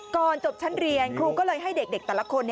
ก่อนจบชั้นเรียนครูก็เลยให้เด็กแต่ละคน